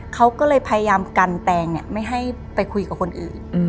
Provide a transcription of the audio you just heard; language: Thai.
เขาก็เลยพยายามกันแตงไม่ให้ไปคุยกับคนอื่น